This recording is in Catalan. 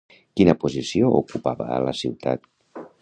Quina posició ocupava a la ciutat?